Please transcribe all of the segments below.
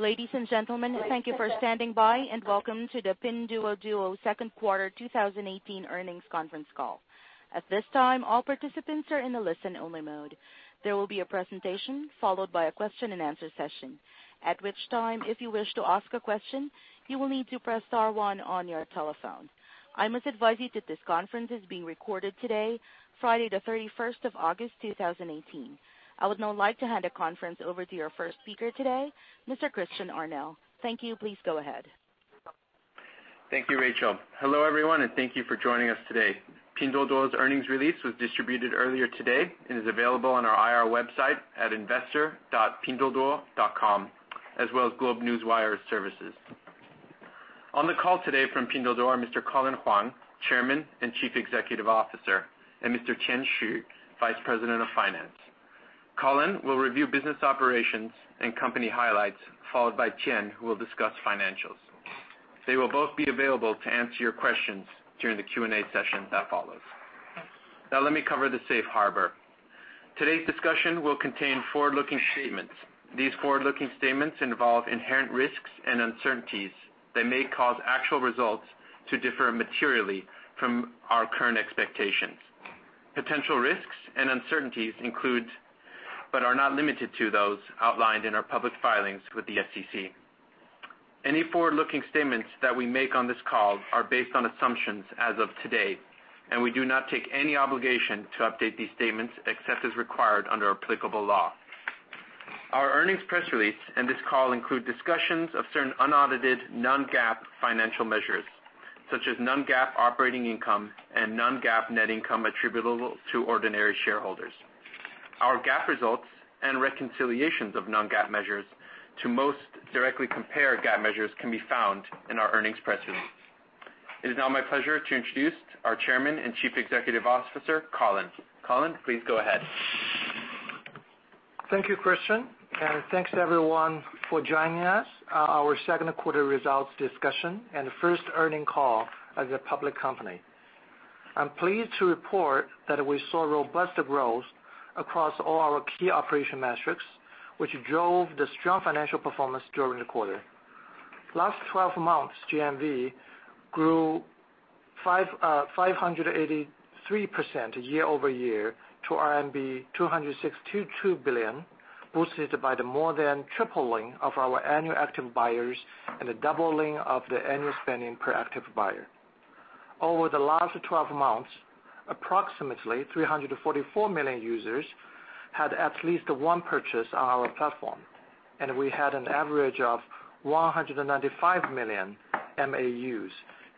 Ladies and gentlemen, thank you for standing by, and welcome to the Pinduoduo second quarter 2018 earnings conference call. At this time, all participants are in a listen-only mode. There will be a presentation followed by a question-and-answer session. At which time, if you wish to ask a question, you will need to press star one on your telephone. I must advise you that this conference is being recorded today, Friday, August 31st, 2018. I would now like to hand the conference over to your first speaker today, Mr. Christian Arnell. Thank you. Please go ahead. Thank you, Rachel. Hello, everyone, and thank you for joining us today. Pinduoduo's earnings release was distributed earlier today and is available on our IR website at investor.pinduoduo.com, as well as GlobeNewswire services. On the call today from Pinduoduo are Mr. Colin Huang, Chairman and Chief Executive Officer, and Mr. Tian Xu, Vice President of Finance. Colin will review business operations and company highlights, followed by Tian, who will discuss financials. They will both be available to answer your questions during the Q&A session that follows. Now let me cover the safe harbor. Today's discussion will contain forward-looking statements. These forward-looking statements involve inherent risks and uncertainties that may cause actual results to differ materially from our current expectations. Potential risks and uncertainties include, but are not limited to, those outlined in our public filings with the SEC. Any forward-looking statements that we make on this call are based on assumptions as of today, and we do not take any obligation to update these statements except as required under applicable law. Our earnings press release and this call include discussions of certain unaudited non-GAAP financial measures, such as non-GAAP operating income and non-GAAP net income attributable to ordinary shareholders. Our GAAP results and reconciliations of non-GAAP measures to most directly compare GAAP measures can be found in our earnings press release. It is now my pleasure to introduce our Chairman and Chief Executive Officer, Colin. Colin, please go ahead. Thank you, Christian, and thanks everyone for joining us. Our second quarter results discussion and first earnings call as a public company. I'm pleased to report that we saw robust growth across all our key operation metrics, which drove the strong financial performance during the quarter. Last 12 months, GMV grew 583% year-over-year to RMB 262 billion, boosted by the more than tripling of our annual active buyers and the doubling of the annual spending per active buyer. Over the last 12 months, approximately 344 million users had at least one purchase on our platform, and we had an average of 195 million MAUs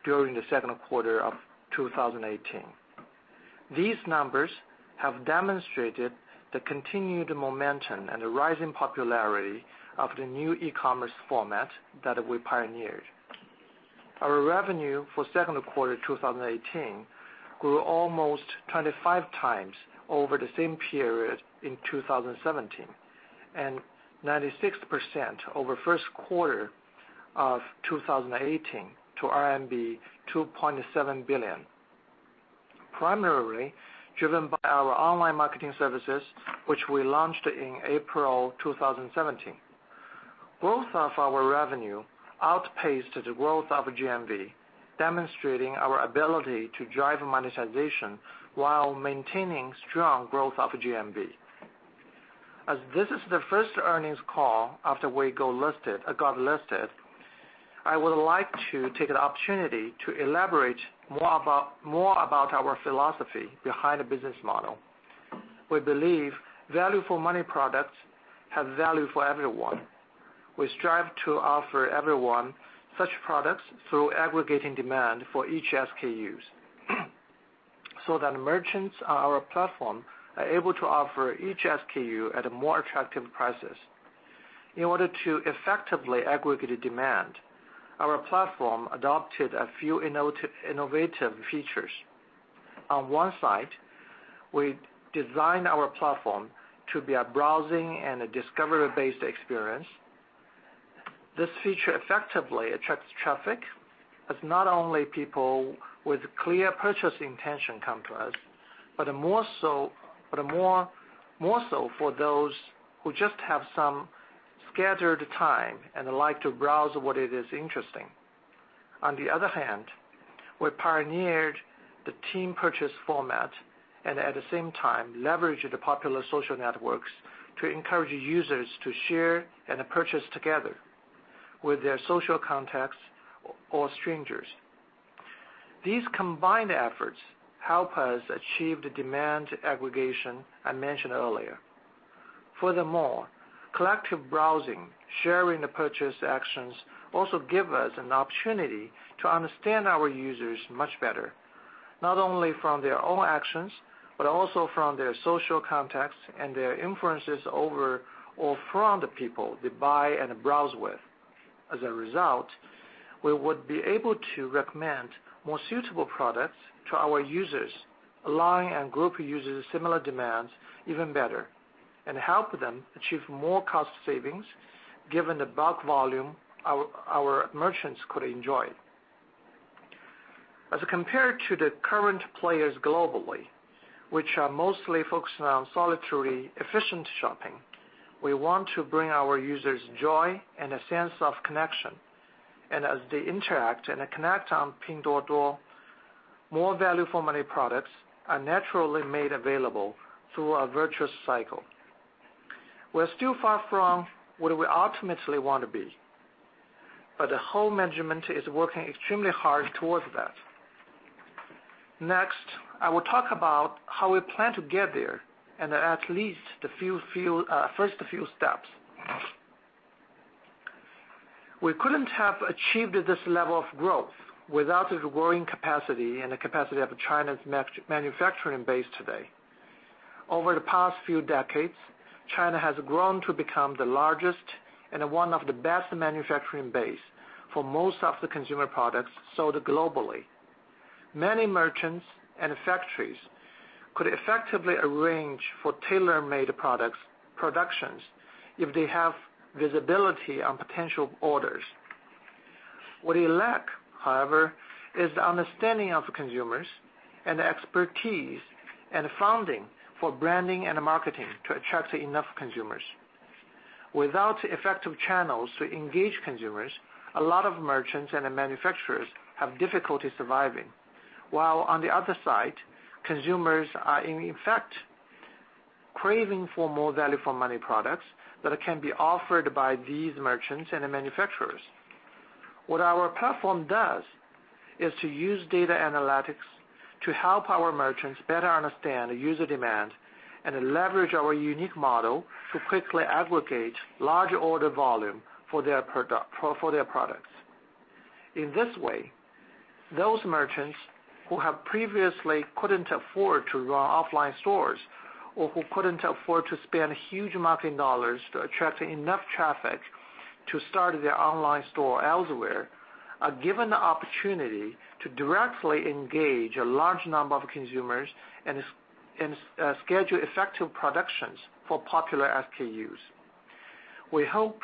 during the second quarter of 2018. These numbers have demonstrated the continued momentum and the rising popularity of the new e-commerce format that we pioneered. Our revenue for second quarter 2018 grew almost 25x over the same period in 2017, and 96% over first quarter of 2018 to RMB 2.7 billion. Primarily driven by our online marketing services, which we launched in April 2017. Growth of our revenue outpaced the growth of GMV, demonstrating our ability to drive monetization while maintaining strong growth of GMV. As this is the first earnings call after we got listed, I would like to take the opportunity to elaborate more about our philosophy behind the business model. We believe value for money products have value for everyone. We strive to offer everyone such products through aggregating demand for each SKUs so that merchants on our platform are able to offer each SKU at more attractive prices. In order to effectively aggregate demand, our platform adopted a few innovative features. On one side, we designed our platform to be a browsing and a discovery-based experience. This feature effectively attracts traffic as not only people with clear purchase intention come to us, but a more so for those who just have some scattered time and like to browse what it is interesting. On the other hand, we pioneered the team purchase format and at the same time leveraged the popular social networks to encourage users to share and purchase together with their social contacts or strangers. These combined efforts help us achieve the demand aggregation I mentioned earlier. Furthermore, collective browsing, sharing the purchase actions also give us an opportunity to understand our users much better, not only from their own actions, but also from their social contacts and their influences over or from the people they buy and browse with. As a result, we would be able to recommend more suitable products to our users, allowing our group users similar demands even better and help them achieve more cost savings given the bulk volume our merchants could enjoy. Compared to the current players globally, which are mostly focusing on solitary efficient shopping, we want to bring our users joy and a sense of connection. As they interact and connect on Pinduoduo, more value for money products are naturally made available through a virtuous cycle. We're still far from where we ultimately want to be, the whole management is working extremely hard towards that. Next, I will talk about how we plan to get there and at least the first few steps. We couldn't have achieved this level of growth without the growing capacity of China's manufacturing base today. Over the past few decades, China has grown to become the largest and one of the best manufacturing bases for most of the consumer products sold globally. Many merchants and factories could effectively arrange for tailor-made products productions if they have visibility on potential orders. What they lack, however, is the understanding of consumers and the expertise and funding for branding and marketing to attract enough consumers. Without effective channels to engage consumers, a lot of merchants and manufacturers have difficulty surviving. While on the other side, consumers are in effect craving for more value for money products that can be offered by these merchants and the manufacturers. What our platform does is to use data analytics to help our merchants better understand the user demand and leverage our unique model to quickly aggregate large order volume for their products. In this way, those merchants who have previously couldn't afford to run offline stores or who couldn't afford to spend huge marketing dollars to attract enough traffic to start their online store elsewhere, are given the opportunity to directly engage a large number of consumers and and schedule effective productions for popular SKUs. We hope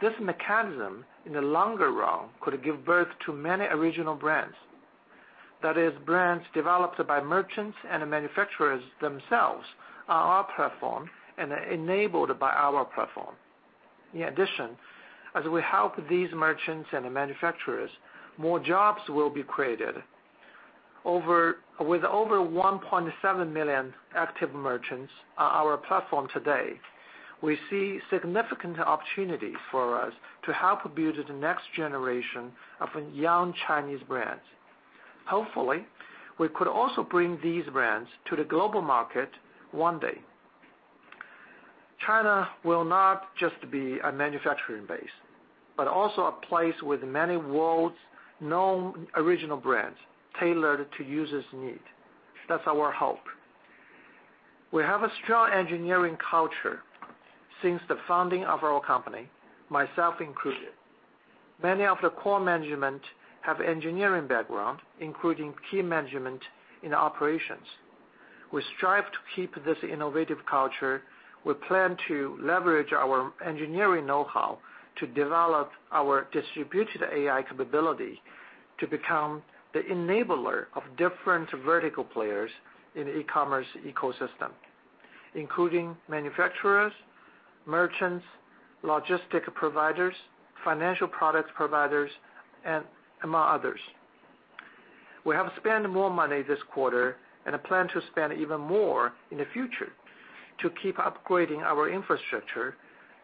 this mechanism, in the longer run, could give birth to many original brands. That is, brands developed by merchants and the manufacturers themselves on our platform and enabled by our platform. In addition, as we help these merchants and the manufacturers, more jobs will be created. With over 1.7 million active merchants on our platform today, we see significant opportunities for us to help build the next generation of young Chinese brands. Hopefully, we could also bring these brands to the global market one day. China will not just be a manufacturing base, but also a place with many world's known original brands tailored to users' need. That's our hope. We have a strong engineering culture since the founding of our company, myself included. Many of the core management have engineering background, including key management in operations. We strive to keep this innovative culture. We plan to leverage our engineering know-how to develop our distributed AI capability to become the enabler of different vertical players in the e-commerce ecosystem, including manufacturers, merchants, logistic providers, financial products providers, and among others. We have spent more money this quarter and plan to spend even more in the future to keep upgrading our infrastructure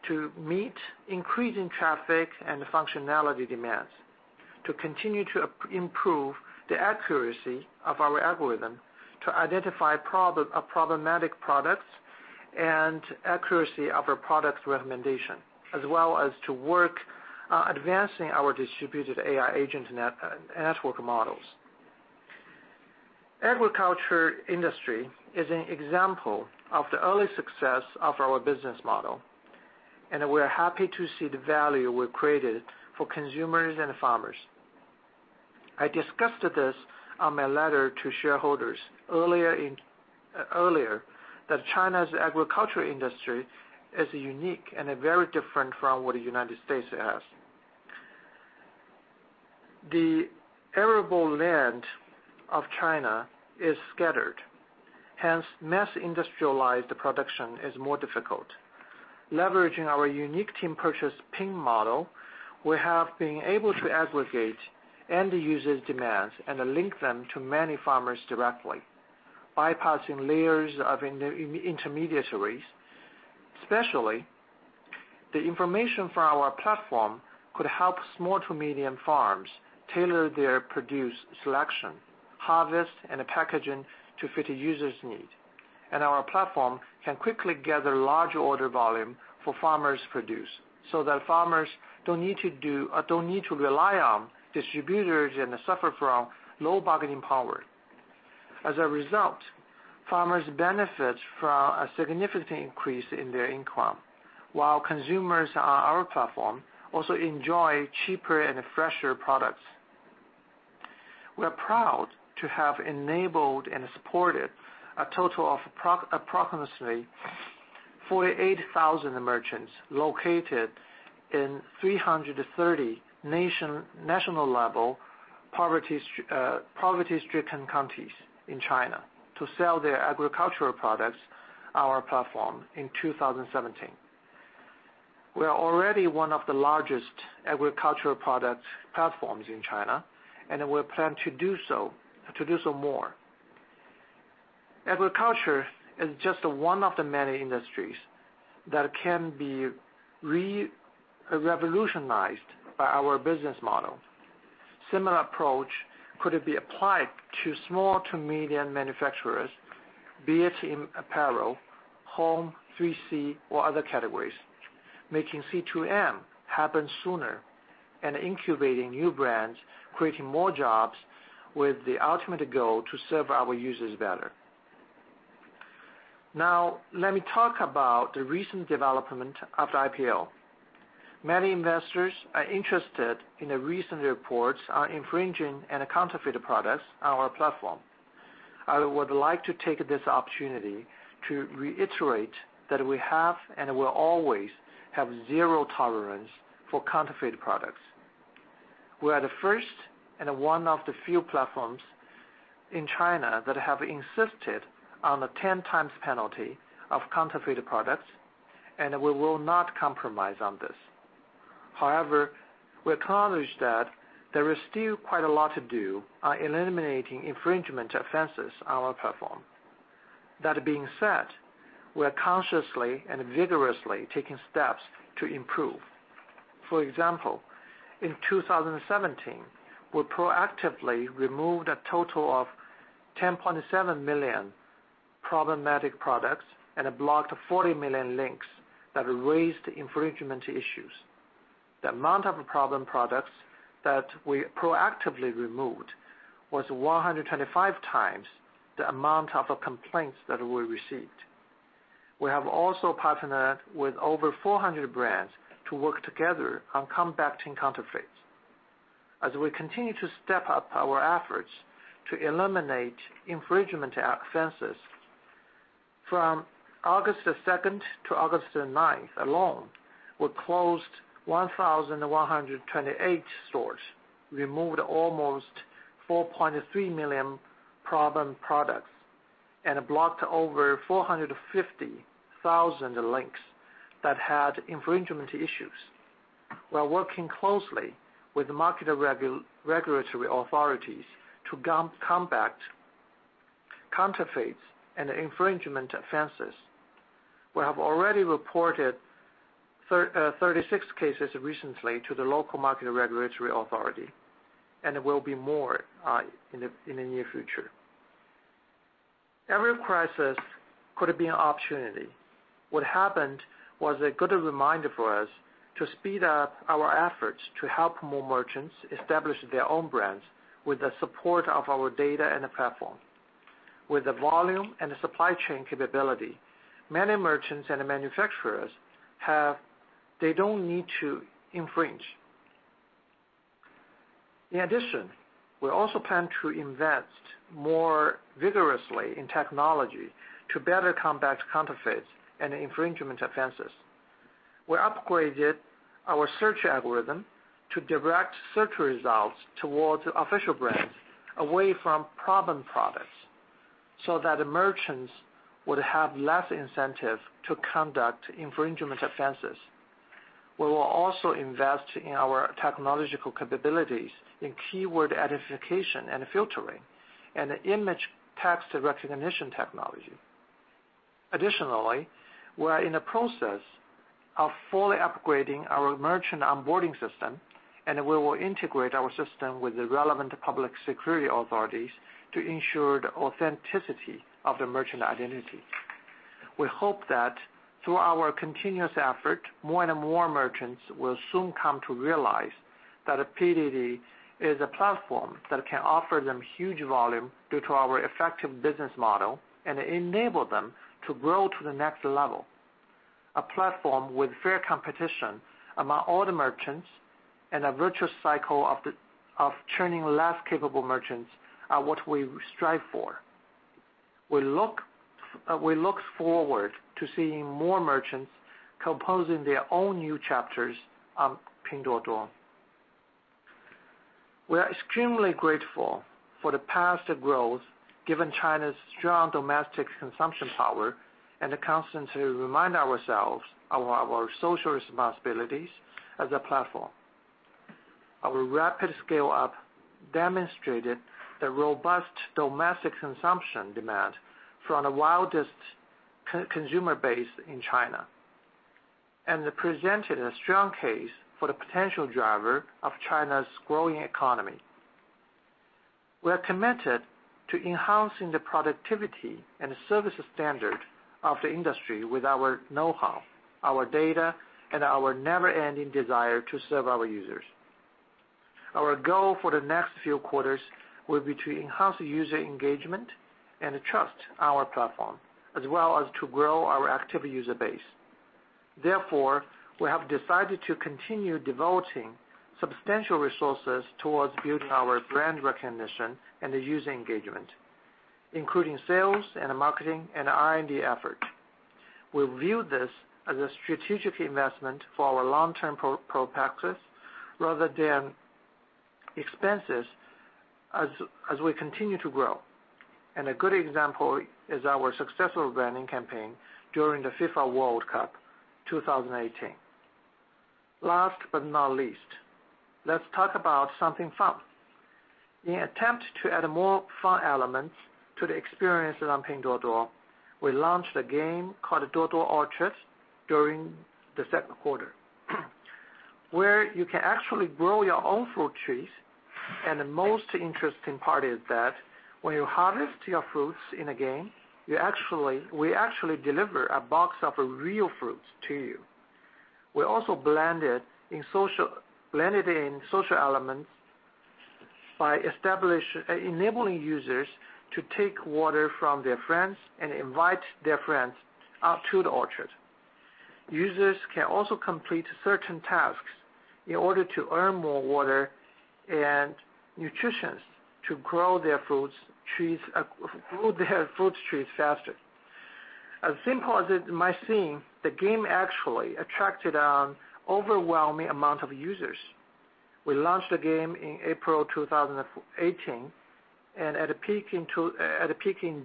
to meet increasing traffic and functionality demands, to continue to improve the accuracy of our algorithm to identify problematic products and accuracy of our product recommendation, as well as to work on advancing our distributed AI agent network models. Agriculture industry is an example of the early success of our business model, and we're happy to see the value we've created for consumers and farmers. I discussed this on my letter to shareholders earlier, that China's agriculture industry is unique and very different from what the United States has. The arable land of China is scattered, hence mass industrialized production is more difficult. Leveraging our unique team purchase pin model, we have been able to aggregate end users' demands and link them to many farmers directly, bypassing layers of inter-intermediaries. The information from our platform could help small to medium farms tailor their produce selection, harvest, and packaging to fit a user's need. Our platform can quickly gather large order volume for farmers' produce, so that farmers don't need to rely on distributors and suffer from low bargaining power. As a result, farmers benefit from a significant increase in their income, while consumers on our platform also enjoy cheaper and fresher products. We're proud to have enabled and supported a total of approximately 48,000 merchants located in 330 national level poverty-stricken counties in China to sell their agricultural products, our platform in 2017. We are already one of the largest agricultural product platforms in China, and we plan to do so, to do so more. Agriculture is just one of the many industries that can be re-revolutionized by our business model. Similar approach could be applied to small to medium manufacturers, be it in apparel, home, 3C, or other categories, making C2M happen sooner and incubating new brands, creating more jobs with the ultimate goal to serve our users better. Let me talk about the recent development of the IPO. Many investors are interested in the recent reports on infringing and counterfeited products on our platform. I would like to take this opportunity to reiterate that we have and will always have zero tolerance for counterfeit products. We are the first and one of the few platforms in China that have insisted on a 10x penalty of counterfeited products, and we will not compromise on this. However, we acknowledge that there is still quite a lot to do on eliminating infringement offenses on our platform. That being said, we are consciously and vigorously taking steps to improve. For example, in 2017, we proactively removed a total of 10.7 million problematic products and blocked 40 million links that raised infringement issues. The amount of problem products that we proactively removed was 125 times the amount of complaints that we received. We have also partnered with over 400 brands to work together on combating counterfeits. As we continue to step up our efforts to eliminate infringement offenses, from August 2nd to August 9th alone, we closed 1,128 stores, removed almost 4.3 million problem products, and blocked over 450,000 links that had infringement issues. We are working closely with market regulatory authorities to combat counterfeits and infringement offenses. We have already reported 36 cases recently to the local market regulatory authority, and there will be more in the near future. Every crisis could have been an opportunity. What happened was a good reminder for us to speed up our efforts to help more merchants establish their own brands with the support of our data and the platform. With the volume and the supply chain capability, many merchants and manufacturers have. They don't need to infringe. In addition, we also plan to invest more vigorously in technology to better combat counterfeits and infringement offenses. We upgraded our search algorithm to direct search results towards official brands away from problem products, so that merchants would have less incentive to conduct infringement offenses. We will also invest in our technological capabilities in keyword identification and filtering and image text recognition technology. Additionally, we are in the process of fully upgrading our merchant onboarding system, and we will integrate our system with the relevant public security authorities to ensure the authenticity of the merchant identity. We hope that through our continuous effort, more and more merchants will soon come to realize that PDD is a platform that can offer them huge volume due to our effective business model and enable them to grow to the next level. A platform with fair competition among all the merchants and a virtuous cycle of churning less capable merchants are what we strive for. We look forward to seeing more merchants composing their own new chapters on Pinduoduo. We are extremely grateful for the past growth, given China's strong domestic consumption power and the constant to remind ourselves our social responsibilities as a platform. Our rapid scale-up demonstrated the robust domestic consumption demand from the widest consumer base in China, and it presented a strong case for the potential driver of China's growing economy. We are committed to enhancing the productivity and service standard of the industry with our know-how, our data, and our never-ending desire to serve our users. Our goal for the next few quarters will be to enhance user engagement and trust our platform, as well as to grow our active user base. Therefore, we have decided to continue devoting substantial resources towards building our brand recognition and the user engagement, including sales and marketing and R&D effort. We view this as a strategic investment for our long-term profitability rather than expenses as we continue to grow. A good example is our successful branding campaign during the FIFA World Cup 2018. Last but not least, let's talk about something fun. In attempt to add more fun elements to the experience on Pinduoduo, we launched a game called Duo Duo Orchard during the second quarter, where you can actually grow your own fruit trees. The most interesting part is that when you harvest your fruits in a game, we actually deliver a box of real fruits to you. We also blend it in social elements by enabling users to take water from their friends and invite their friends out to the orchard. Users can also complete certain tasks in order to earn more water and nutritions to grow their fruit trees faster. As simple as it might seem, the game actually attracted an overwhelming amount of users. We launched the game in April 2018. At a peak in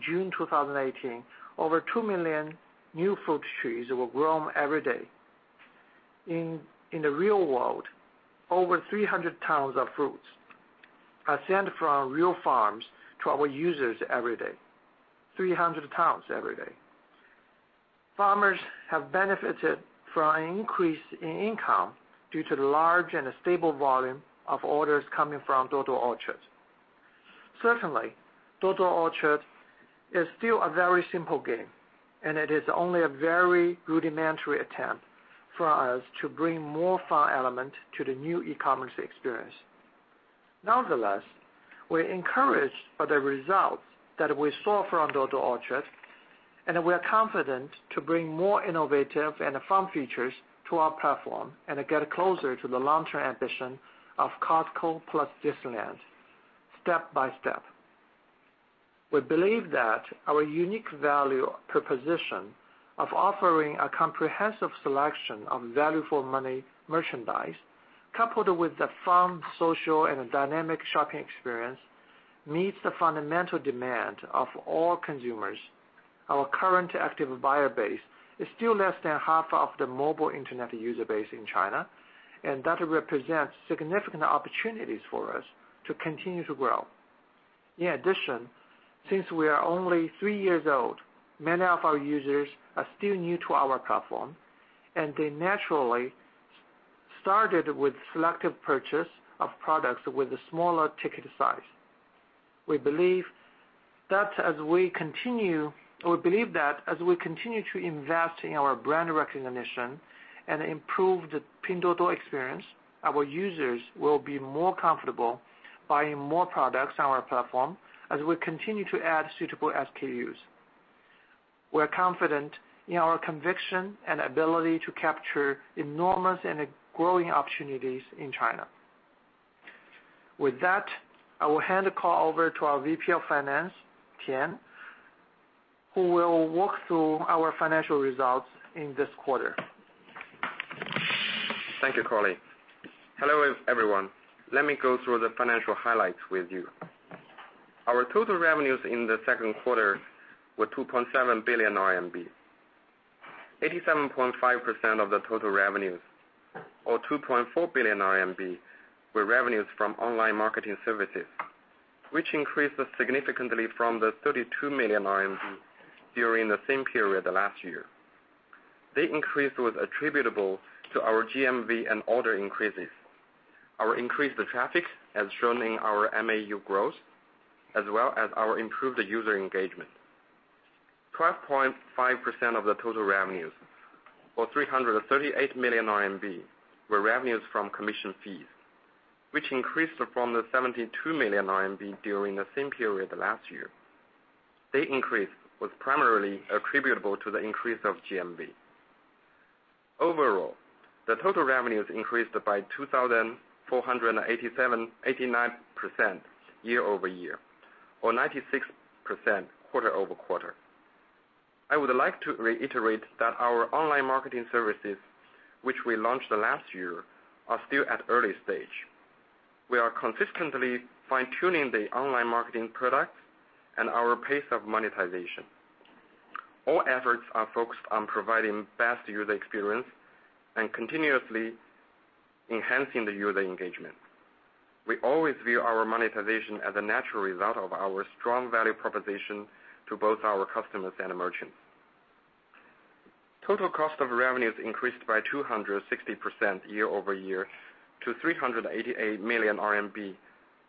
June 2018, over 2,000,000 new fruit trees were grown every day. In the real world, over 300 tons of fruits are sent from real farms to our users every day. 300 tons every day. Farmers have benefited from an increase in income due to the large and stable volume of orders coming from Duo Duo Orchard. Certainly, Duo Duo Orchard is still a very simple game, and it is only a very rudimentary attempt for us to bring more fun element to the new e-commerce experience. Nonetheless, we're encouraged by the results that we saw from Duo Duo Orchard, and we are confident to bring more innovative and fun features to our platform, and get closer to the long-term ambition of Costco plus Disneyland step by step. We believe that our unique value proposition of offering a comprehensive selection of value-for-money merchandise, coupled with the fun, social, and dynamic shopping experience, meets the fundamental demand of all consumers. Our current active buyer base is still less than half of the mobile internet user base in China, and that represents significant opportunities for us to continue to grow. In addition, since we are only three years old, many of our users are still new to our platform, and they naturally started with selective purchase of products with a smaller ticket size. We believe that as we continue to invest in our brand recognition and improve the Pinduoduo experience, our users will be more comfortable buying more products on our platform as we continue to add suitable SKUs. We're confident in our conviction and ability to capture enormous and growing opportunities in China. With that, I will hand the call over to our VP of Finance, Tian, who will walk through our financial results in this quarter. Thank you, Colin. Hello, everyone. Let me go through the financial highlights with you. Our total revenues in the second quarter were 2.7 billion RMB. 87.5% of the total revenues, or 2.4 billion RMB, were revenues from online marketing services, which increased significantly from the 32 million RMB during the same period last year. The increase was attributable to our GMV and order increases, our increased traffic, as shown in our MAU growth, as well as our improved user engagement. 12.5% of the total revenues, or 338 million RMB, were revenues from commission fees, which increased from the 72 million RMB during the same period last year. The increase was primarily attributable to the increase of GMV. Overall, the total revenues increased by 2,487.89% year-over-year or 96% quarter-over-quarter. I would like to reiterate that our online marketing services, which we launched last year, are still at early stage. We are consistently fine-tuning the online marketing products and our pace of monetization. All efforts are focused on providing best user experience and continuously enhancing the user engagement. We always view our monetization as a natural result of our strong value proposition to both our customers and merchants. Total cost of revenues increased by 260% year-over-year to 388 million RMB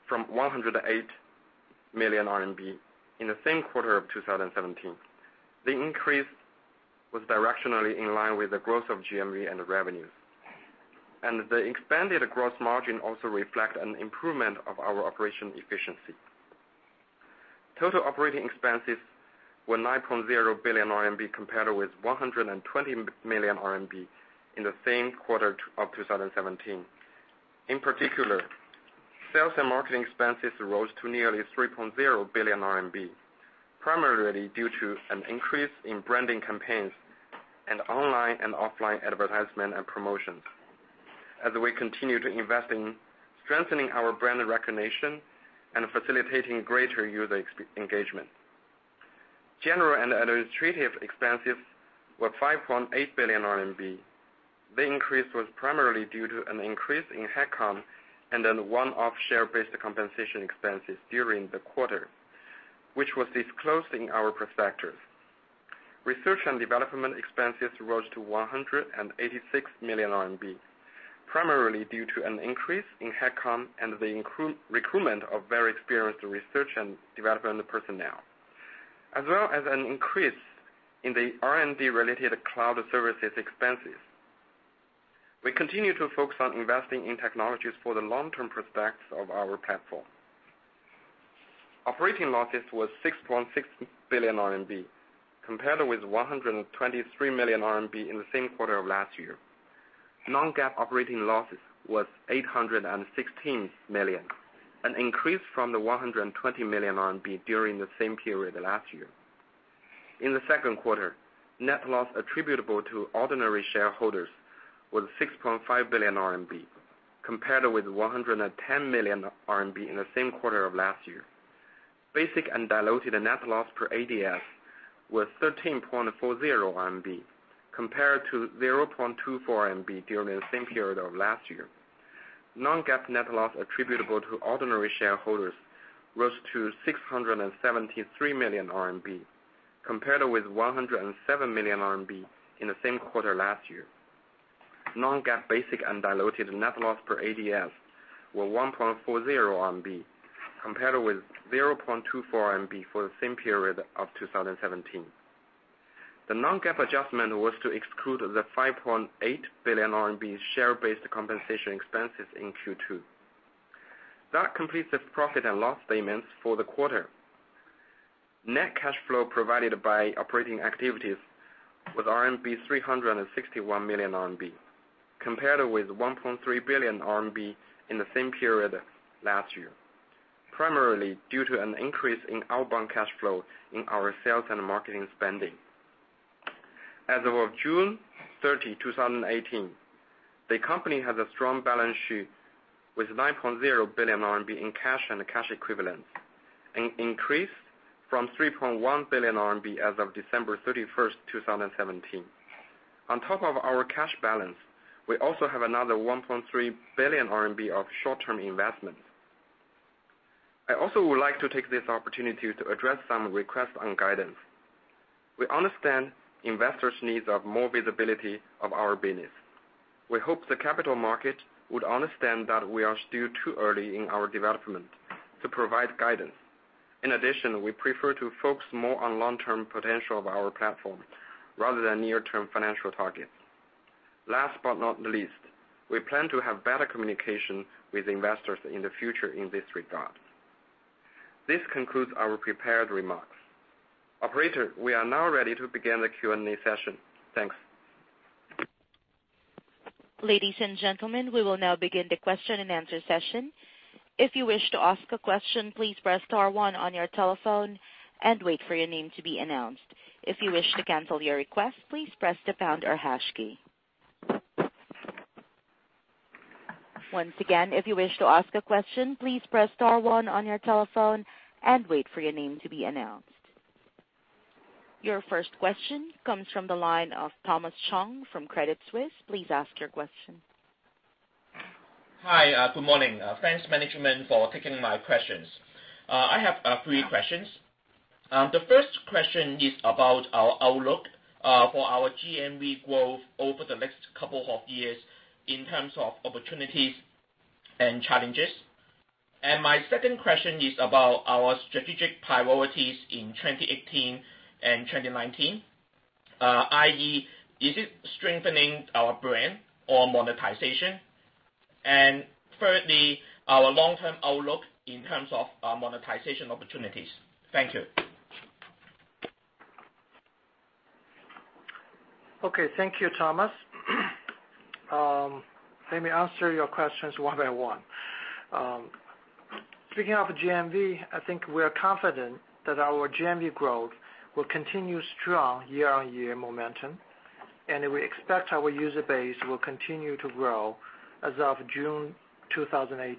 from 108 million RMB in the same quarter of 2017. The increase was directionally in line with the growth of GMV and revenues. The expanded gross margin also reflect an improvement of our operation efficiency. Total operating expenses were 9 billion RMB compared with 120 million RMB in the same quarter of 2017. In particular, sales and marketing expenses rose to nearly 3 billion RMB, primarily due to an increase in branding campaigns and online and offline advertisement and promotions as we continue to invest in strengthening our brand recognition and facilitating greater user engagement. General and administrative expenses were 5.8 billion RMB. The increase was primarily due to an increase in headcount and then one-off share-based compensation expenses during the quarter, which was disclosed in our prospectus. Research and development expenses rose to 186 million RMB, primarily due to an increase in headcount and the recruitment of very experienced research and development personnel, as well as an increase in the R&D-related cloud services expenses. We continue to focus on investing in technologies for the long-term prospects of our platform. Operating losses was 6.6 billion RMB compared with 123 million RMB in the same quarter of last year. Non-GAAP operating losses was 816 million, an increase from the 120 million RMB during the same period last year. In the second quarter, net loss attributable to ordinary shareholders was 6.5 billion RMB compared with 110 million RMB in the same quarter of last year. Basic and diluted net loss per ADS was 13.40 RMB compared to 0.24 RMB during the same period of last year. Non-GAAP net loss attributable to ordinary shareholders rose to 673 million RMB compared with 107 million RMB in the same quarter last year. Non-GAAP basic and diluted net loss per ADS were 1.40 compared with 0.24 for the same period of 2017. The non-GAAP adjustment was to exclude the 5.8 billion RMB share-based compensation expenses in Q2. That completes the profit and loss statements for the quarter. Net cash flow provided by operating activities was 361 million RMB compared with 1.3 billion RMB in the same period last year, primarily due to an increase in outbound cash flow in our sales and marketing spending. As of June 30, 2018, the company has a strong balance sheet with 9.0 billion RMB in cash and cash equivalents, an increase from 3.1 billion RMB as of December 31st, 2017. On top of our cash balance, we also have another 1.3 billion RMB of short-term investments. I also would like to take this opportunity to address some requests on guidance. We understand investors' needs of more visibility of our business. We hope the capital market would understand that we are still too early in our development to provide guidance. In addition, we prefer to focus more on long-term potential of our platform rather than near-term financial targets. Last but not least, we plan to have better communication with investors in the future in this regard. This concludes our prepared remarks. Operator, we are now ready to begin the Q&A session. Thanks. Ladies and gentlemen, we will now begin the question-and-answer session. If you wish to ask a question, please press star one on your telephone and wait for your name to be announced. If you wish to cancel your request, please press the pound or hash key. Once again, if you wish to ask a question, please press star one on your telephone and wait for your name to be announced. Your first question comes from the line of Thomas Chong from Credit Suisse. Please ask your question. Hi. good morning. thanks management for taking my questions. I have three questions. The first question is about our outlook for our GMV growth over the next couple of years in terms of opportunities and challenges. My second question is about our strategic priorities in 2018 and 2019. i.e., is it strengthening our brand or monetization? Thirdly, our long-term outlook in terms of our monetization opportunities. Thank you. Okay. Thank you, Thomas. Let me answer your questions one by one. Speaking of GMV, I think we are confident that our GMV growth will continue strong year-on-year momentum, and we expect our user base will continue to grow. As of June 2018,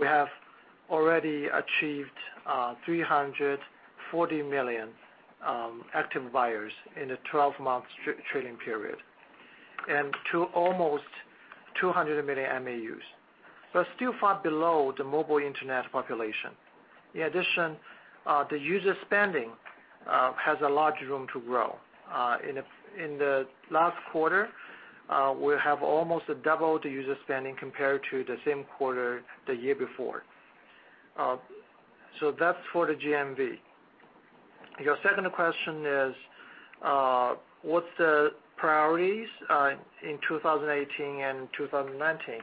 we have already achieved 340 million active buyers in the 12-month trailing period, and to almost 200 million MAUs. We're still far below the mobile internet population. In addition, the user spending has a large room to grow. In the last quarter, we have almost double the user spending compared to the same quarter the year before. That's for the GMV. Your second question is, what's the priorities in 2018 and 2019?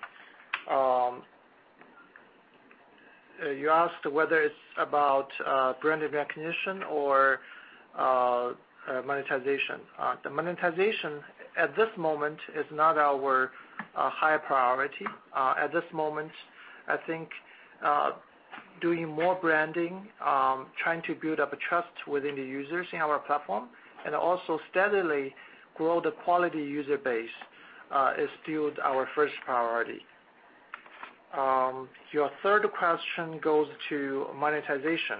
You asked whether it's about brand recognition or monetization. The monetization at this moment is not our high priority. At this moment, I think, doing more branding, trying to build up a trust within the users in our platform, and also steadily grow the quality user base, is still our first priority. Your third question goes to monetization.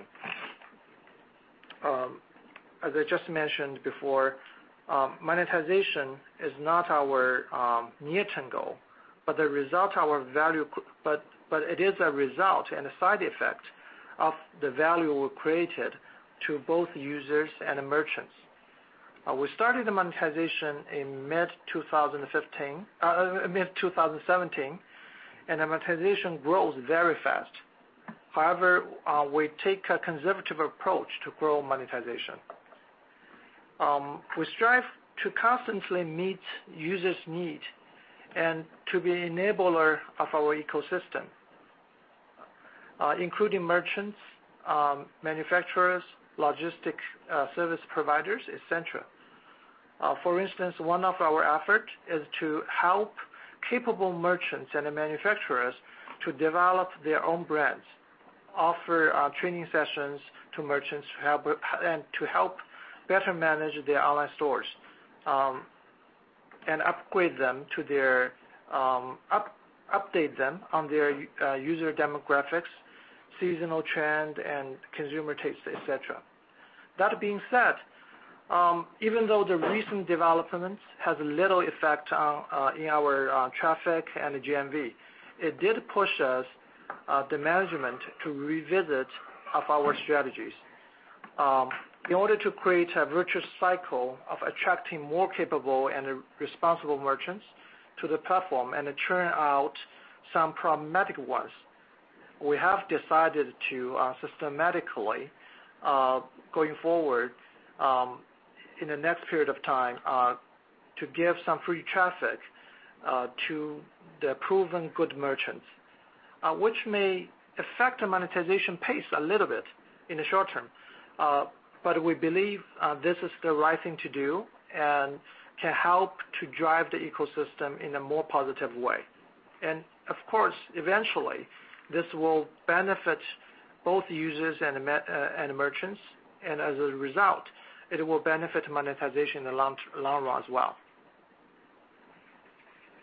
As I just mentioned before, monetization is not our near-term goal, but it is a result and a side effect of the value we created to both users and merchants. We started the monetization in mid-2017, and the monetization grows very fast. We take a conservative approach to grow monetization. We strive to constantly meet users' need and to be enabler of our ecosystem, including merchants, manufacturers, logistic service providers, et cetera. For instance, one of our effort is to help capable merchants and manufacturers to develop their own brands, offer training sessions to merchants to help better manage their online stores, and update them on their user demographics, seasonal trend and consumer taste, et cetera. That being said, even though the recent developments has little effect on in our traffic and the GMV, it did push us the management to revisit of our strategies. In order to create a virtuous cycle of attracting more capable and responsible merchants to the platform and to turn out some problematic ones, we have decided to systematically going forward in the next period of time to give some free traffic to the proven good merchants. Which may affect the monetization pace a little bit in the short term, but we believe this is the right thing to do and to help to drive the ecosystem in a more positive way. Of course, eventually, this will benefit both users and merchants, and as a result, it will benefit monetization in the long, long run as well.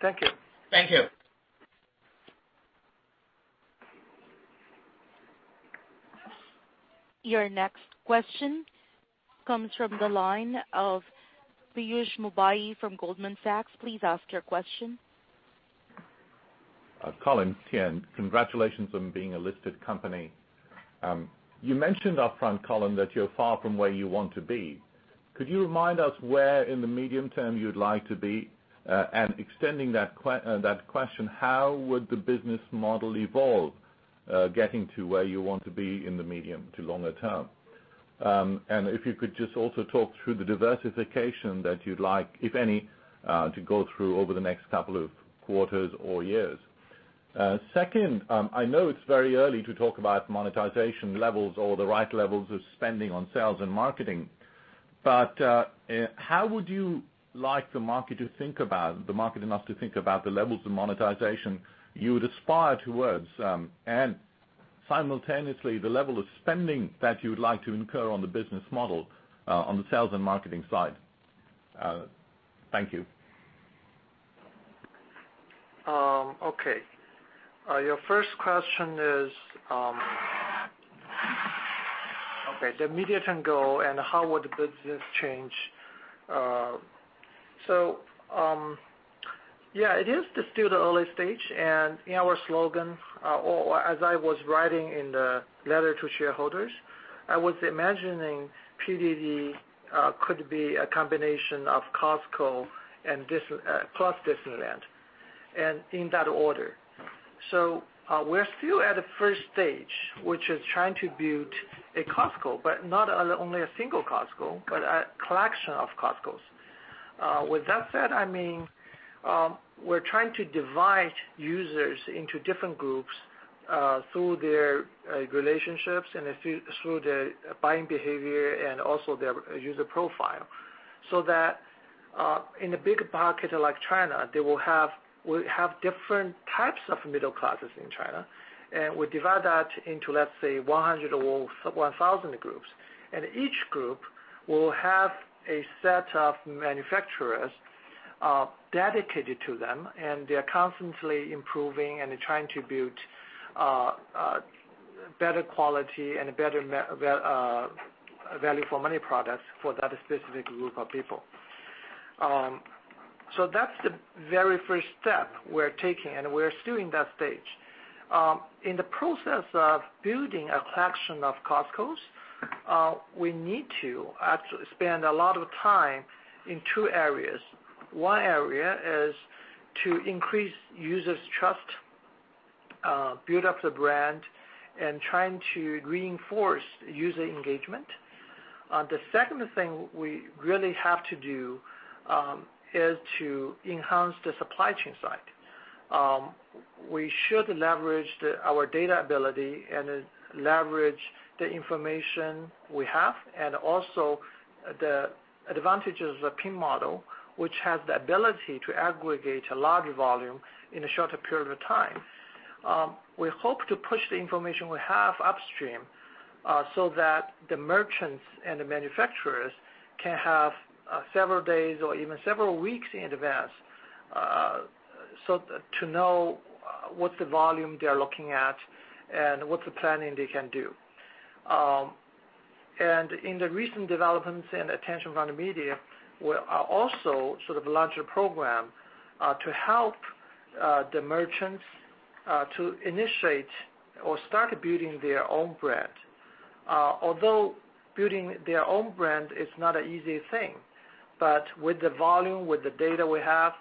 Thank you. Thank you. Your next question comes from the line of Piyush Mubayi from Goldman Sachs. Please ask your question. Colin, Tian, congratulations on being a listed company. You mentioned upfront, Colin, that you're far from where you want to be. Could you remind us where in the medium term you'd like to be? Extending that question, how would the business model evolve, getting to where you want to be in the medium to longer term? If you could just also talk through the diversification that you'd like, if any, to go through over the next couple of quarters or years. Second, I know it's very early to talk about monetization levels or the right levels of spending on sales and marketing, but how would you like the market to think about, the market and us to think about the levels of monetization you would aspire towards, and simultaneously the level of spending that you would like to incur on the business model, on the sales and marketing side? Thank you. Your first question is the medium-term goal and how would the business change. It is still the early stage, and in our slogan, or as I was writing in the letter to shareholders, I was imagining PDD could be a combination of Costco and Disneyland, and in that order. We're still at the first stage, which is trying to build a Costco, but not only a single Costco, but a collection of Costcos. With that said, I mean, we're trying to divide users into different groups, through their relationships and through their buying behavior and also their user profile. In a big market like China, We have different types of middle classes in China, and we divide that into, let's say, 100 or 1,000 groups. Each group will have a set of manufacturers dedicated to them, and they are constantly improving and trying to build better quality and better value for money products for that specific group of people. That's the very first step we're taking, and we're still in that stage. In the process of building a collection of Costcos, we need to actually spend a lot of time in two areas. One area is to increase users' trust, build up the brand and trying to reinforce user engagement. The second thing we really have to do is to enhance the supply chain side. We should leverage our data ability and then leverage the information we have, and also the advantages of the pin model, which has the ability to aggregate a large volume in a shorter period of time. We hope to push the information we have upstream, so that the merchants and the manufacturers can have several days or even several weeks in advance, so to know what the volume they are looking at and what the planning they can do. In the recent developments and attention around the media, we are also sort of launch a program, to help the merchants, to initiate or start building their own brand. Although building their own brand is not an easy thing, but with the volume, with the data we have,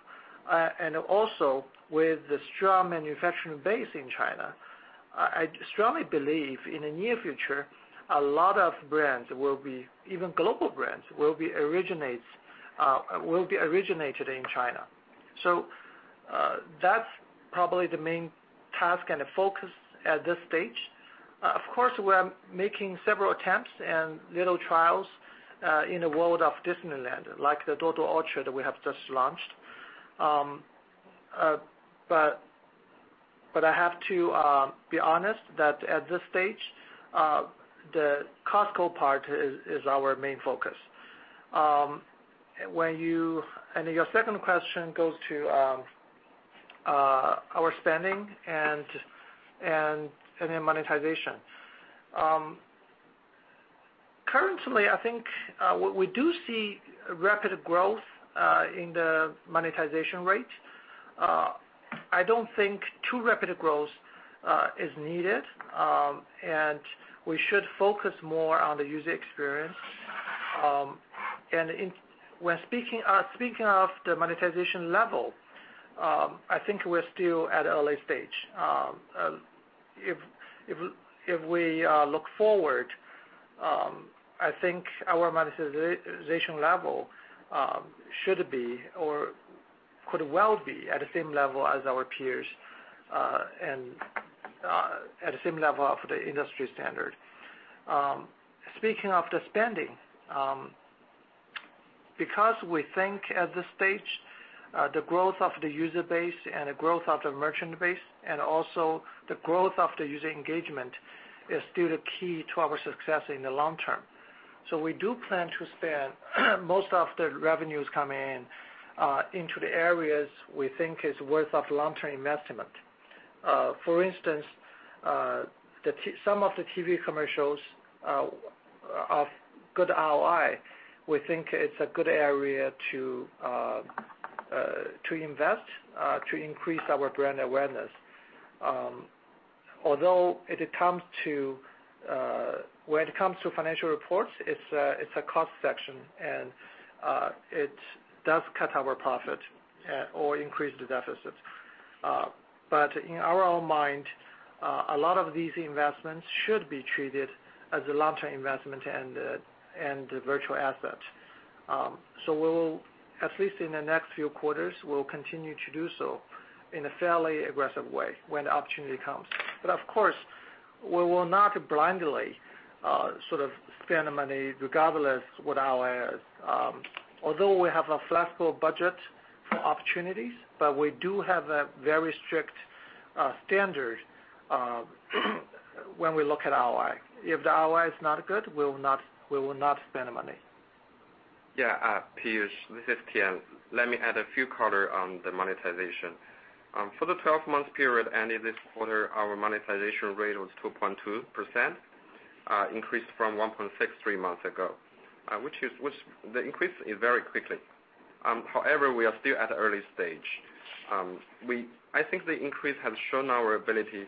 and also with the strong manufacturing base in China, I strongly believe in the near future, a lot of brands will be, even global brands, will be originated in China. That's probably the main task and the focus at this stage. Of course, we're making several attempts and little trials, in the world of Disneyland, like the Duo Duo Orchard that we have just launched. But I have to be honest that at this stage, the Costco part is our main focus. When you, and your second question goes to our spending and then monetization. Currently, I think, we do see rapid growth in the monetization rate. I don't think too rapid growth is needed, and we should focus more on the user experience. Speaking of the monetization level, I think we're still at early stage. If we look forward, I think our monetization level should be or could well be at the same level as our peers and at the same level of the industry standard. Speaking of the spending, because we think at this stage, the growth of the user base and the growth of the merchant base, and also the growth of the user engagement is still the key to our success in the long term. We do plan to spend most of the revenues coming in into the areas we think is worth of long-term investment. For instance, some of the TV commercials are good ROI. We think it's a good area to invest to increase our brand awareness. Although it comes to when it comes to financial reports, it's a cost section, and it does cut our profit or increase the deficit. In our own mind, a lot of these investments should be treated as a long-term investment and a virtual asset. We'll, at least in the next few quarters, we'll continue to do so in a fairly aggressive way when the opportunity comes. Of course, we will not blindly, sort of spend the money regardless what our, although we have a flexible budget for opportunities, we do have a very strict, standard, when we look at ROI. If the ROI is not good, we will not spend the money. Piyush, this is Tian. Let me add a few color on the monetization. For the 12-month period ending this quarter, our monetization rate was 2.2%, increased from 1.6% three months ago, which the increase is very quickly. However, we are still at the early stage. I think the increase has shown our ability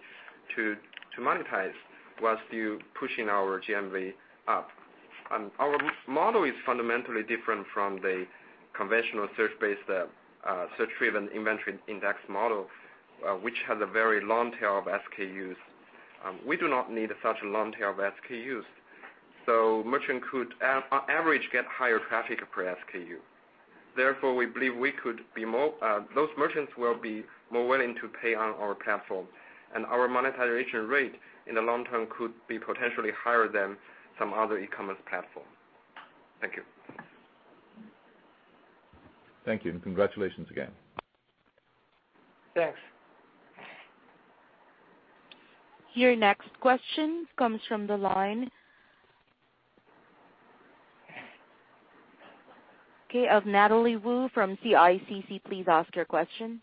to monetize while still pushing our GMV up. Our model is fundamentally different from the conventional search-based, search-driven inventory index model, which has a very long tail of SKUs. We do not need such a long tail of SKUs, so merchant could on average, get higher traffic per SKU. We believe those merchants will be more willing to pay on our platform, and our monetization rate in the long term could be potentially higher than some other e-commerce platform. Thank you. Thank you, and congratulations again. Thanks. Your next question comes from the line, okay, of Natalie Wu from CICC. Please ask your question.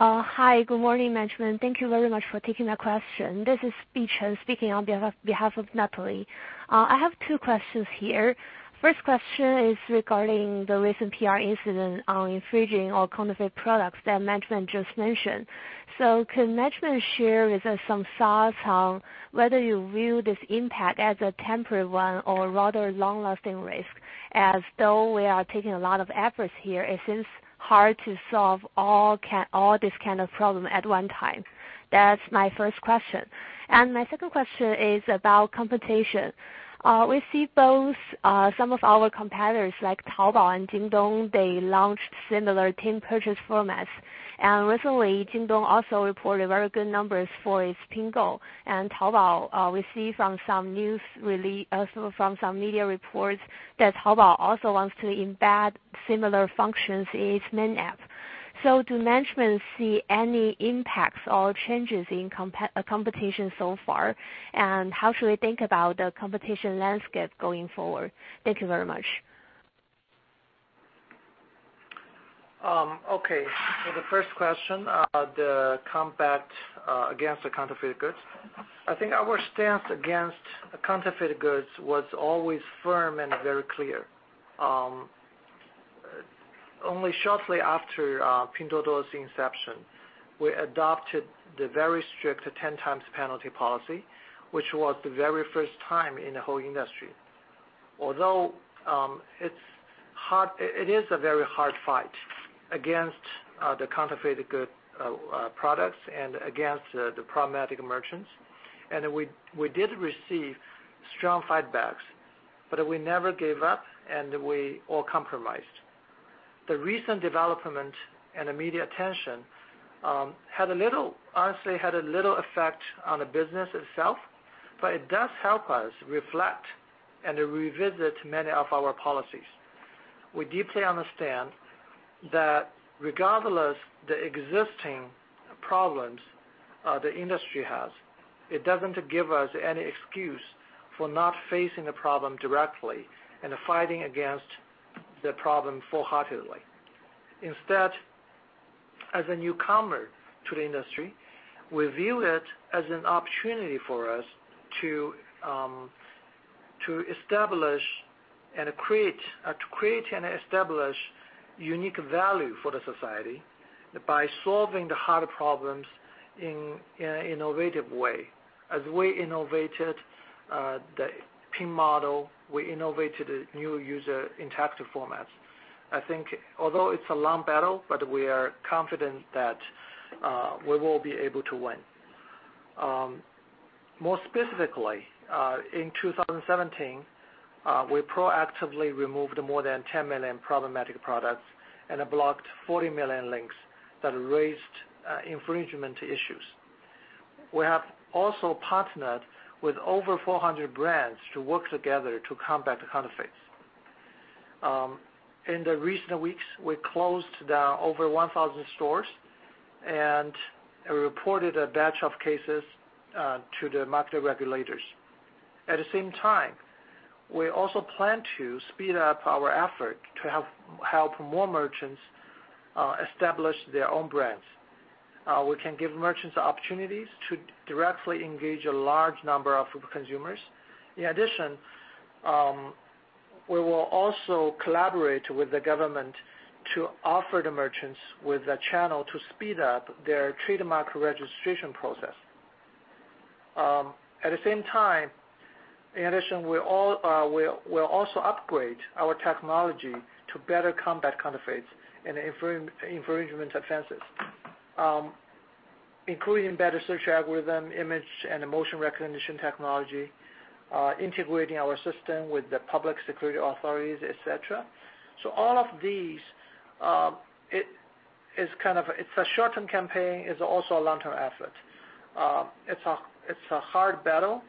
Hi, good morning, management. Thank you very much for taking my question. This is [Binnie] speaking on behalf of Natalie Wu. I have two questions here. First question is regarding the recent PR incident on infringing or counterfeit products that management just mentioned. Can management share with us some thoughts on whether you view this impact as a temporary one or rather long-lasting risk? As though we are taking a lot of efforts here, it seems hard to solve all this kind of problem at one time. That's my first question. My second question is about competition. We see both, some of our competitors like Taobao and JINGDONG, they launched similar team purchase formats. Recently, JINGDONG also reported very good numbers for its Pingou. Taobao, we see from some news so from some media reports that Taobao also wants to embed similar functions in its main app. Do management see any impacts or changes in competition so far? How should we think about the competition landscape going forward? Thank you very much. Okay. For the first question, the combat against the counterfeit goods. I think our stance against counterfeit goods was always firm and very clear. Only shortly after Pinduoduo's inception, we adopted the very strict 10x penalty policy, which was the very first time in the whole industry. Although, it is a very hard fight against the counterfeit good products and against the problematic merchants. We did receive strong fight backs, but we never gave up, and we all compromised. The recent development and the media attention had a little effect on the business itself, but it does help us reflect and revisit many of our policies. We deeply understand that regardless the existing problems the industry has, it doesn't give us any excuse for not facing the problem directly and fighting against the problem full-heartedly. Instead, as a newcomer to the industry, we view it as an opportunity for us to establish and create unique value for the society by solving the hard problems in innovative way. As we innovated the team model, we innovated new user interactive formats. I think although it's a long battle, but we are confident that we will be able to win. More specifically, in 2017, we proactively removed more than 10 million problematic products and blocked 40 million links that raised infringement issues. We have also partnered with over 400 brands to work together to combat the counterfeits. In the recent weeks, we closed down over 1,000 stores and reported a batch of cases to the market regulators. At the same time, we also plan to speed up our effort to help more merchants establish their own brands. We can give merchants opportunities to directly engage a large number of consumers. We will also collaborate with the government to offer the merchants with a channel to speed up their trademark registration process. We'll also upgrade our technology to better combat counterfeits and infringement offenses, including better search algorithm, image and emotion recognition technology, integrating our system with the public security authorities, et cetera. All of these, It's a short-term campaign, it's also a long-term effort. It's a, it's a hard battle,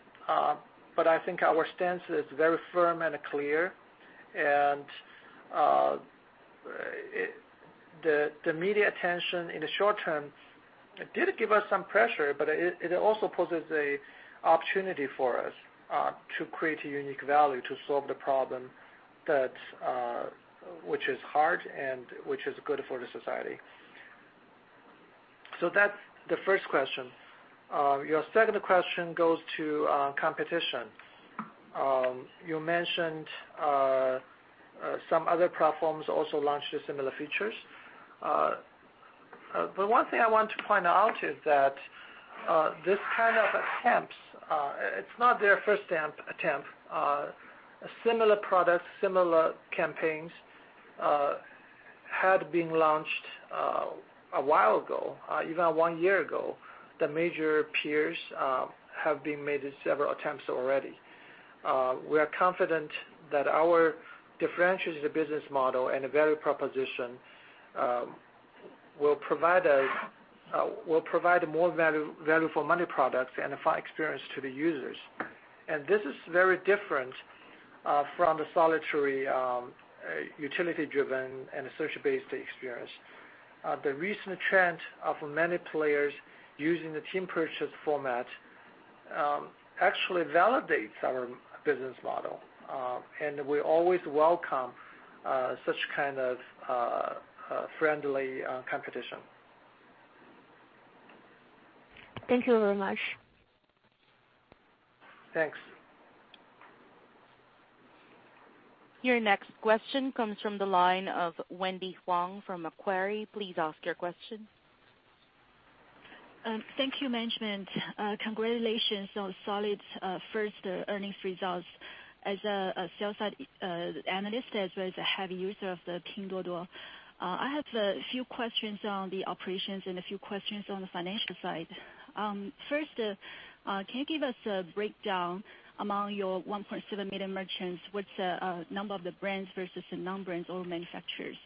but I think our stance is very firm and clear. The media attention in the short term, it did give us some pressure, but it also poses a opportunity for us to create a unique value to solve the problem that which is hard and which is good for the society. So that's the first question. Your second question goes to competition. You mentioned some other platforms also launched similar features. One thing I want to point out is that this kind of attempts, it's not their first attempt. Similar products, similar campaigns had been launched a while ago, even one year ago. The major peers have been made several attempts already. We are confident that our differentiates the business model and value proposition will provide more value for money products and a fine experience to the users. This is very different from the solitary, utility-driven and social-based experience. The recent trend of many players using the team purchase format actually validates our business model. We always welcome such kind of friendly competition. Thank you very much. Thanks. Your next question comes from the line of Wendy Huang from Macquarie. Please ask your question. Thank you management. Congratulations on solid first earnings results. As a sales side analyst as well as a heavy user of the Pinduoduo, I have a few questions on the operations and a few questions on the financial side. First, can you give us a breakdown among your 1.7 million merchants, what's the number of the brands versus the non-brands or manufacturers?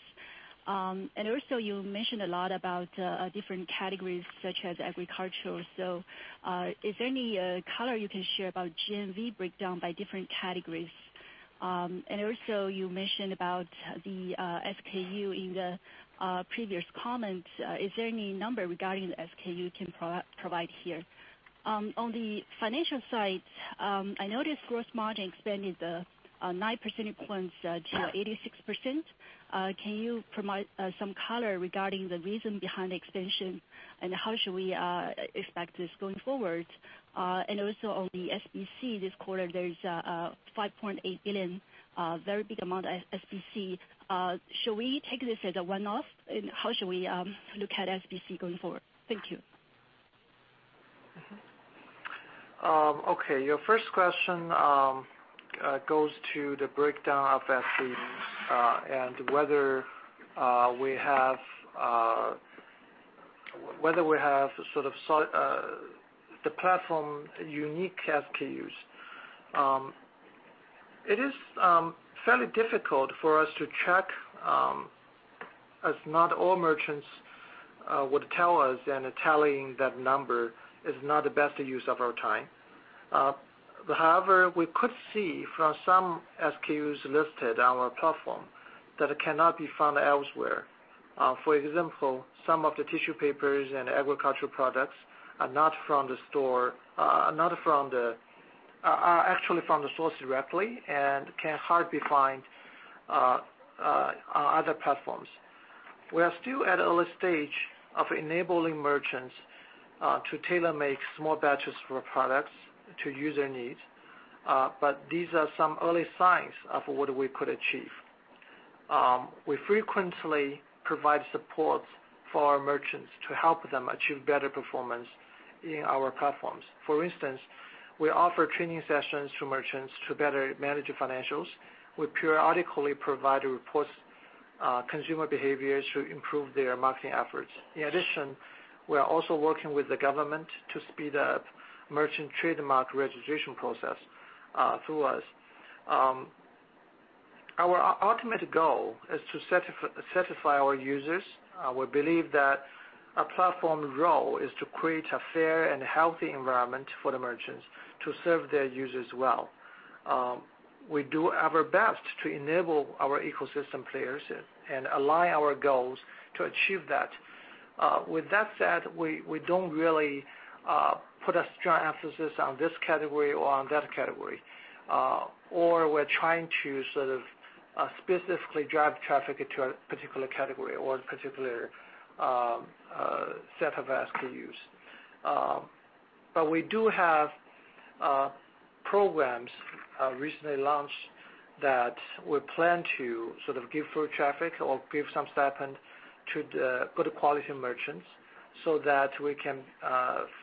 Also, you mentioned a lot about different categories such as agriculture. Is there any color you can share about GMV breakdown by different categories? Also, you mentioned about the SKU in the previous comments. Is there any number regarding the SKU you can provide here? On the financial side, I noticed gross margin expanded 9 percentage points- Yeah. -to 86%. Can you provide some color regarding the reason behind the expansion and how should we expect this going forward? Also on the SBC this quarter, there's a 5.8 billion, very big amount of SBC. Shall we take this as a one-off, how should we look at SBC going forward? Thank you. Okay. Your first question goes to the breakdown of SKUs, and whether we have the platform unique SKUs. It is fairly difficult for us to check, as not all merchants would tell us, and tallying that number is not the best use of our time. However, we could see from some SKUs listed on our platform that it cannot be found elsewhere. For example, some of the tissue papers and agricultural products are not from the store, are actually from the source directly and can hardly find other platforms. We are still at early stage of enabling merchants to tailor-make small batches for products to user needs, these are some early signs of what we could achieve. We frequently provide support for our merchants to help them achieve better performance in our platforms. For instance, we offer training sessions to merchants to better manage financials. We periodically provide reports, consumer behaviors to improve their marketing efforts. In addition, we are also working with the government to speed up merchant trademark registration process, through us. Our ultimate goal is to satisfy our users. We believe that our platform role is to create a fair and healthy environment for the merchants to serve their users well. We do our best to enable our ecosystem players and align our goals to achieve that. With that said, we don't really put a strong emphasis on this category or on that category, or we're trying to sort of specifically drive traffic into a particular category or particular set of SKUs. But we do have programs recently launched that we plan to sort of give free traffic or give some stipend to the good quality merchants so that we can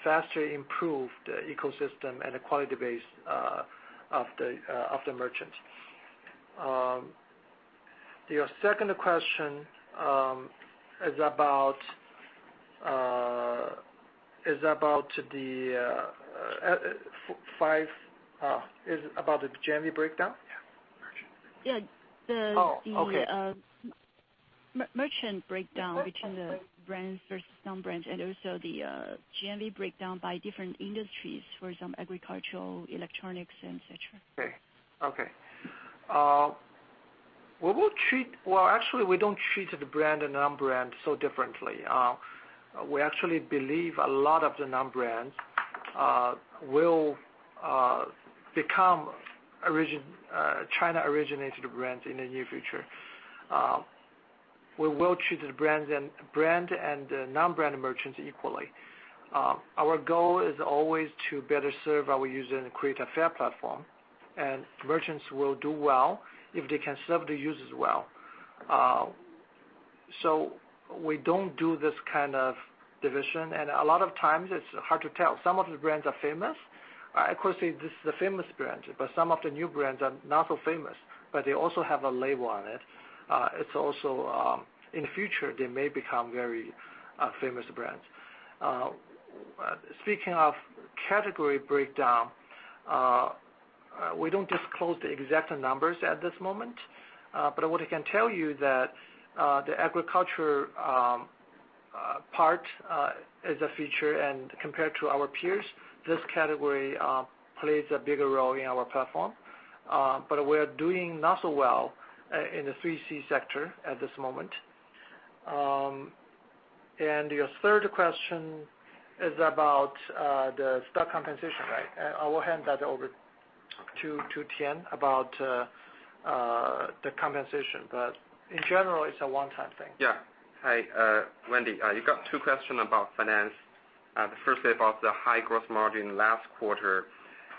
faster improve the ecosystem and the quality base of the merchant. Your second question is about the five is about the GMV breakdown? Yeah. Merchant breakdown. Yeah. Oh, okay. The merchant breakdown between the brands versus non-brands and also the GMV breakdown by different industries for some agricultural, electronics and such. Okay, okay. We will treat well, actually, we don't treat the brand and non-brand so differently. We actually believe a lot of the non-brands will become origin, China-originated brands in the near future. We will treat the brand and non-brand merchants equally. Our goal is always to better serve our user and create a fair platform. Merchants will do well if they can serve the users well. We don't do this kind of division, and a lot of times it's hard to tell. Some of the brands are famous. Of course, this is a famous brand, but some of the new brands are not so famous, but they also have a label on it. It's also, in the future, they may become very famous brands. Speaking of category breakdown, we don't disclose the exact numbers at this moment, but what I can tell you that the agriculture part is a feature and compared to our peers, this category plays a bigger role in our platform. We're doing not so well in the 3C sector at this moment. Your third question is about the stock compensation, right? I will hand that over to Tian about the compensation. In general, it's a one-time thing. Hi, Wendy. You got two question about finance. The first thing about the high gross margin last quarter.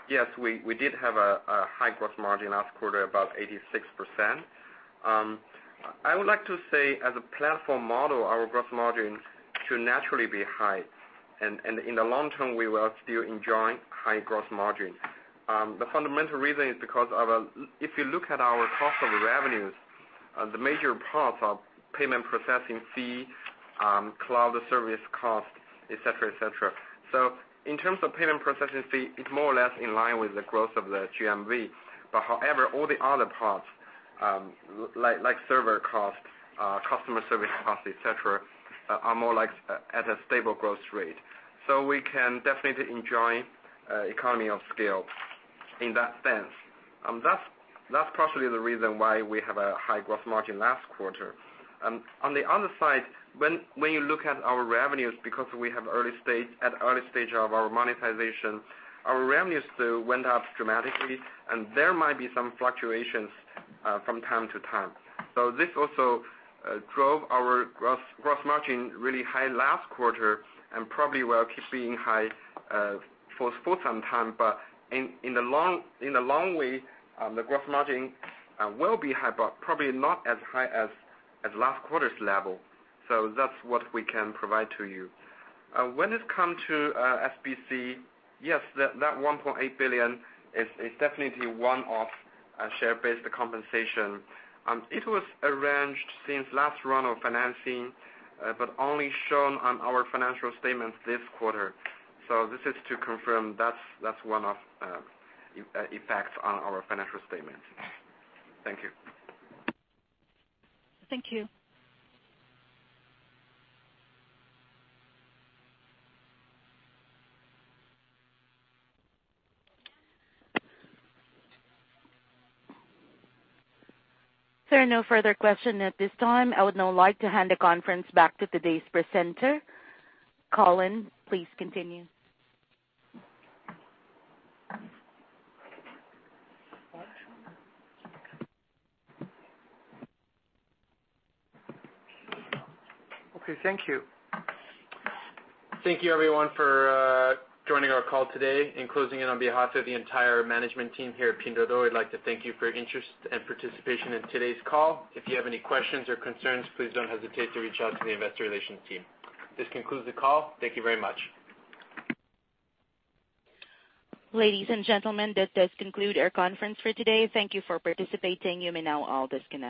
Yes, we did have a high gross margin last quarter, about 86%. I would like to say, as a platform model, our gross margin should naturally be high. In the long term, we will still enjoying high gross margin. The fundamental reason is if you look at our cost of revenues, the major parts are payment processing fee, cloud service cost, et cetera, et cetera. In terms of payment processing fee, it's more or less in line with the growth of the GMV. However, all the other parts, like server cost, customer service cost, et cetera, are more like at a stable growth rate. We can definitely enjoy economy of scale in that sense. That's partially the reason why we have a high gross margin last quarter. On the other side, when you look at our revenues, because we have at early stage of our monetization, our revenues still went up dramatically, and there might be some fluctuations from time to time. This also drove our gross margin really high last quarter and probably will keep being high for some time. In the long way, the gross margin will be high, but probably not as high as last quarter's level. That's what we can provide to you. When it come to SBC, yes, that 1.8 billion is definitely one of share-based compensation. It was arranged since last round of financing, but only shown on our financial statements this quarter. This is to confirm that's one of effects on our financial statements. Thank you. Thank you. There are no further questions at this time. I would now like to hand the conference back to today's presenter. Colin, please continue. Okay, thank you. Thank you, everyone, for joining our call today. In closing, and on behalf of the entire management team here at Pinduoduo, we'd like to thank you for your interest and participation in today's call. If you have any questions or concerns, please don't hesitate to reach out to the investor relations team. This concludes the call. Thank you very much. Ladies and gentlemen, that does conclude our conference for today. Thank you for participating. You may now all disconnect.